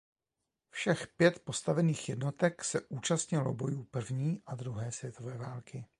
Všech pět postavených jednotek se účastnilo bojů první a druhé světové války.